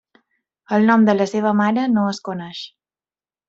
El nom de la seva mare no es coneix.